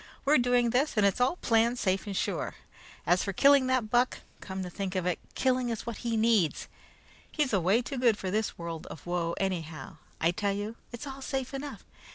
"We're doing this, and it's all planned safe and sure. As for killing that buck come to think of it, killing is what he needs. He's away too good for this world of woe, anyhow. I tell you, it's all safe enough.